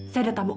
saya ada tabuk